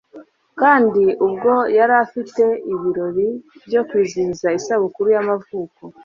Kandi ubwo yari afite ibirori byo kwizihiza isabukuru y'amavuko